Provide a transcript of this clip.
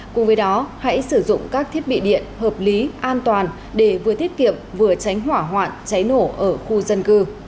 cùng với đó hãy sử dụng các thiết bị điện hợp lý an toàn để vừa tiết kiệm vừa tránh hỏa hoạn cháy nổ ở khu dân cư